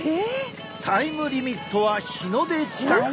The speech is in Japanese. タイムリミットは日の出近く。